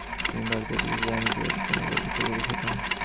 তিনি ভারতীয় পুলিশ বাহিনীকে পুনর্গঠিত করেছিলেন।